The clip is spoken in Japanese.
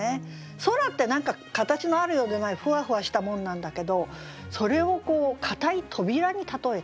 空って何か形のあるようでないふわふわしたものなんだけどそれを硬い扉に例えた。